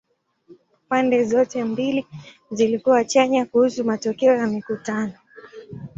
Pande zote mbili zilikuwa chanya kuhusu matokeo ya mikutano.